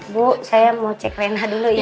bu saya mau cek rena dulu ya